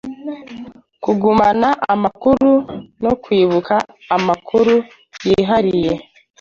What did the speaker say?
kugumana amakuru no kwibuka amakuru yihariye